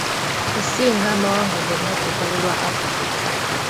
Esinga amawanga gonna ku lukalu lwa Afirika.